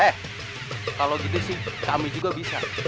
eh kalau gini sih kami juga bisa